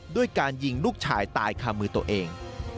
ด้วยการยิงลูกชายตายคามือตัวเอง